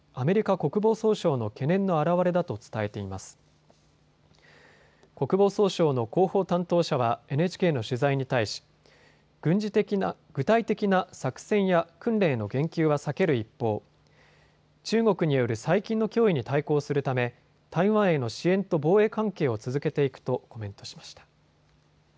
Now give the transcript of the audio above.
国防総省の広報担当者はＮＨＫの取材に対し具体的な作戦や訓練への言及は避ける一方、中国による最近の脅威に対抗するため台湾への支援と防衛関係を続けていくとコメントしました。